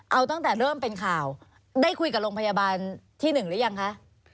เอาตั้งแต่เริ่มเป็นข่าวได้คุยกับโรงพยาบาลที่๑หรือยังคะ